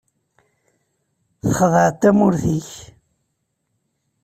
Txedɛeḍ tamurt-ik.